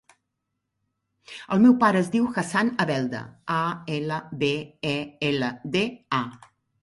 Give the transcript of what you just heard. El meu pare es diu Hassan Albelda: a, ela, be, e, ela, de, a.